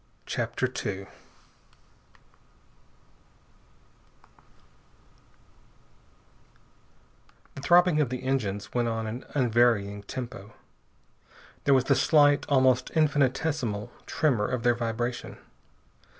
CHAPTER II The throbbing of the engines went on at an unvarying tempo. There was the slight, almost infinitesimal tremor of their vibration.